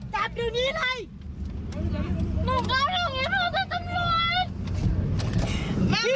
จับจับเลย